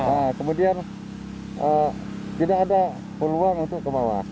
nah kemudian tidak ada peluang untuk ke bawah